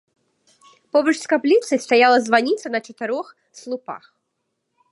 Побач з капліцай стаяла званіца на чатырох слупах.